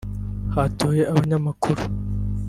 Hatoye abanyamakuru